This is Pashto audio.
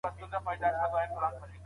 پخوا باورونه ژر نه خرابېدل.